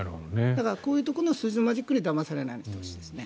だからこういうところの数字のマジックにだまされないでほしいですね。